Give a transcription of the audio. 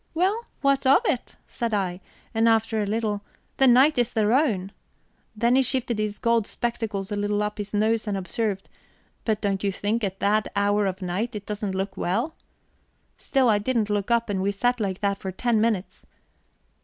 'Well, what of it?' said I, and, after a little: 'The night is their own.' Then he shifted his gold spectacles a little up his nose, and observed: 'But don't you think, at that hour of night, it doesn't look well?' Still I didn't look up, and we sat like that for ten minutes.